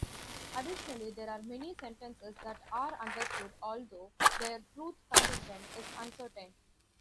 Additionally, there are many sentences that are understood although their truth condition is uncertain.